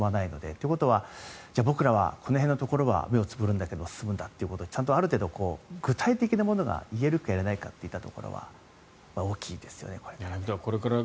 ということは僕らはこの辺のところには目をつぶるんだけど進むんだということである程度、具体的なものが言えるか言えないかといったところは大きいですよね、これからね。